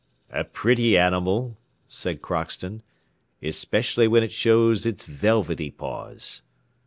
"A pretty animal," said Crockston, "especially when it shows its velvety paws."